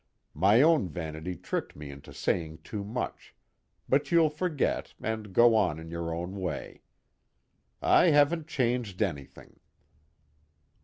My own vanity tricked me into saying too much, but you'll forget, and go on in your own way. I haven't changed anything.